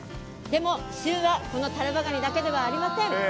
でも、旬は、このタラバガニだけではありません。